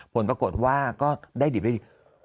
ผลปรากฏว่าก็ได้ดิบได้ดี